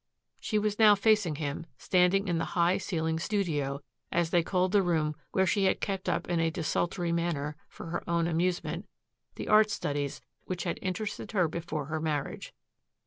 She was now facing him, standing in the high ceilinged "studio," as they called the room where she had kept up in a desultory manner for her own amusement the art studies which had interested her before her marriage.